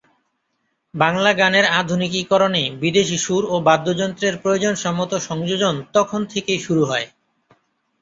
বাংলা গানের আধুনিকীকরণে বিদেশি সুর ও বাদ্যযন্ত্রের প্রয়োজনসম্মত সংযোজন তখন থেকেই শুরু হয়।